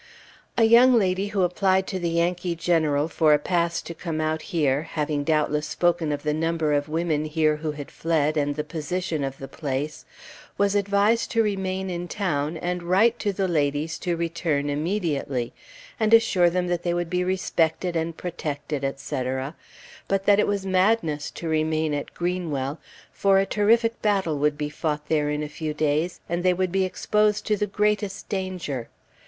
A young lady who applied to the Yankee general for a pass to come out here, having doubtless spoken of the number of women here who had fled, and the position of the place, was advised to remain in town and write to the ladies to return immediately, and assure them that they would be respected and protected, etc., but that it was madness to remain at Greenwell, for a terrific battle would be fought there in a few days, and they would be exposed to the greatest danger.